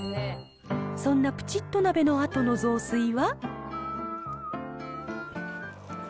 そんなプチッと鍋のあとの雑炊は？